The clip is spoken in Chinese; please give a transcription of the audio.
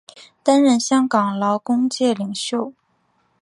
担任香港劳工界领袖。